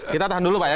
kita tahan dulu pak ya